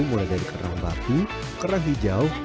mulai dari kerang batu kerang hijau